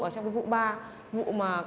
trong vụ ba